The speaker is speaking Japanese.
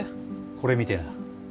これ見てな。